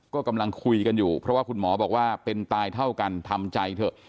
ก็กำลังคุยกันอยู่เพราะว่าคุณหมอบอกว่าเป็นตายเท่ากันทำใจเถอะ